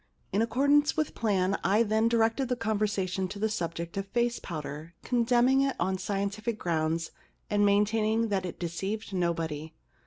In accordance with plan I then directed the conversation to the subject of face powder, condemning it on scientific grounds and maintaining that it deceived nobody.